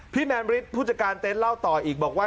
พี่แมนบริษฐ์ผู้จัดการเต็นต์เล่าต่ออีกบอกว่า